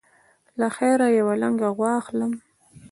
له خیره یوه لنګه غوا اخلم.